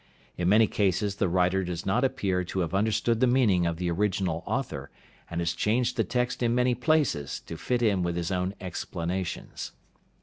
In many cases the writer does not appear to have understood the meaning of the original author, and has changed the text in many places to fit in with his own explanations.